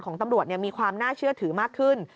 ของตำรวจมีความน่าเชื่อถือมากขึ้น